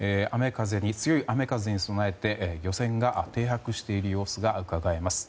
強い雨風に備えて漁船が停泊している様子がうかがえます。